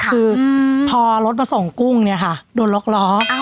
คือพอรถมาส่งกุ้งเนี่ยค่ะโดนล็อกล้อ